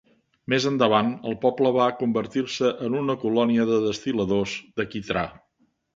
Més endavant, el poble va convertir-se en una colònia de destil·ladors de quitrà.